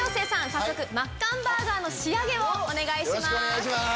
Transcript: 早速マッカンバーガーの仕上げをお願いします。